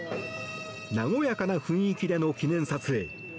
和やかな雰囲気での記念撮影。